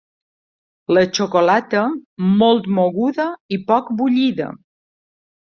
La xocolata, molt moguda i poc bullida.